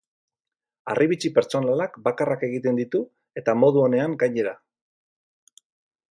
Harribitxi pertsonalak, bakarrak egiten ditu, eta modu onean, gainera.